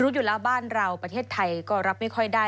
อยู่แล้วบ้านเราประเทศไทยก็รับไม่ค่อยได้